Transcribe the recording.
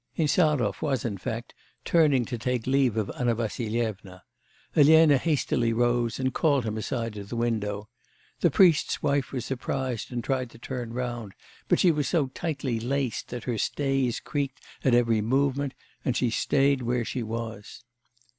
Insarov was, in fact, turning to take leave of Anna Vassilyevna; Elena hastily rose and called him aside to the window. The priest's wife was surprised, and tried to turn round; but she was so tightly laced that her stays creaked at every movement, and she stayed where she was.